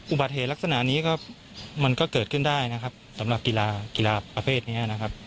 อุบัติเหตุลักษณะนี้ก็มันก็เกิดขึ้นได้นะครับสำหรับกีฬากีฬาประเภทนี้นะครับ